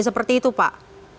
seperti itu pak